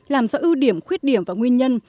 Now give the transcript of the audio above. làm do ưu điểm khuyết điểm và nguyên nhân